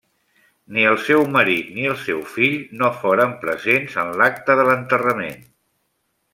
Ni el seu marit ni el seu fill no foren presents en l'acte de l'enterrament.